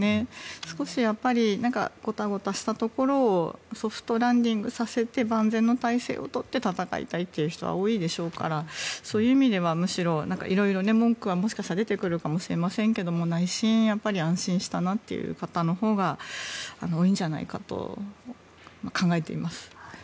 少しごたごたしたところをソフトランディングさせて万全の態勢を取って戦いたいという人は多いでしょうからそういう意味ではむしろ色々、文句はもしかしたら出てくるかもしれませんが内心安心したなという方のほうが多いんじゃないかと考えています。